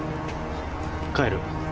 帰る。